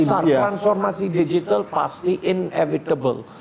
akan jadi besar transformasi digital pasti inevitable